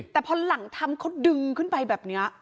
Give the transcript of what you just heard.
แต่พอหลังทำเขาดึงขึ้นไปแบบนี้